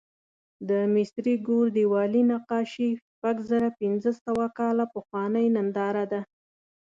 د مصري ګور دیوالي نقاشي شپږزرهپینځهسوه کاله پخوانۍ ننداره ده.